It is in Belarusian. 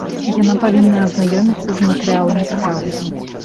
Яна павінна азнаёміцца з матэрыяламі справы.